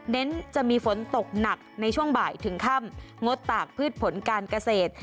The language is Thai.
เน้นจะมีฝนตกหนักในช่วงบ่ายถึงค่ำงดตากพืชผลการเกษตร